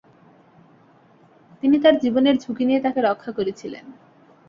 তিনি তার জীবনের ঝুঁকি নিয়ে তাকে রক্ষা করেছিলেন।